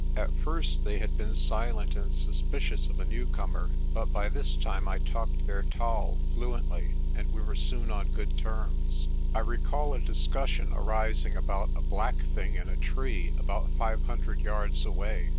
At first they had been silent and suspicious of a newcomer, but by this time I talked their taal fluently, and we were soon on good terms. I recall a discussion arising about a black thing in a tree about five hundred yards away.